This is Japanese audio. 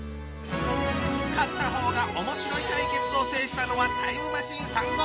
勝った方が面白い対決を制したのはタイムマシーン３号！